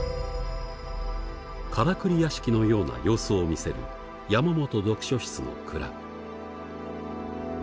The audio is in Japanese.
カラクリ屋敷のような様子を見せる山本読書室の蔵。